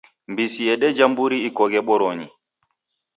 Mbisi yedeja mburi ikoghe boronyi.